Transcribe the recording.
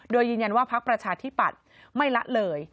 โดยยืนยันว่าพักประชาธิปัตย์ไม่ละเลย